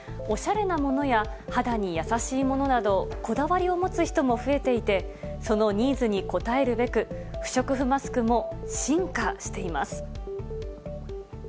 おしゃれなものや、肌に優しいものなど、こだわりを持つ人も増えていて、そのニーズに応えるべく、不織布マスクも進化しています。